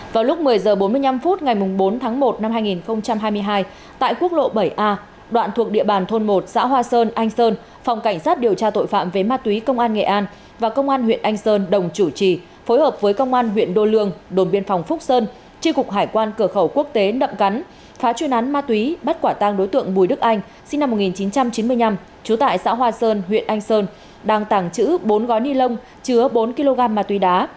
vào lúc một mươi h bốn mươi năm phút ngày bốn tháng một năm hai nghìn hai mươi hai tại quốc lộ bảy a đoạn thuộc địa bàn thôn một xã hoa sơn anh sơn phòng cảnh sát điều tra tội phạm về ma túy công an nghệ an và công an huyện anh sơn đồng chủ trì phối hợp với công an huyện đô lương đồn biên phòng phúc sơn tri cục hải quan cửa khẩu quốc tế đậm cắn phá chuyên án ma túy bắt quả tăng đối tượng bùi đức anh sinh năm một nghìn chín trăm chín mươi năm trú tại xã hoa sơn huyện anh sơn đăng tảng chữ bốn gói ni lông chứa bốn kg ma túy